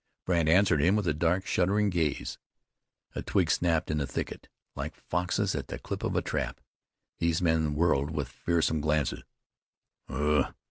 Brandt answered him with a dark, shuddering gaze. A twig snapped in the thicket. Like foxes at the click of a trap, these men whirled with fearsome glances.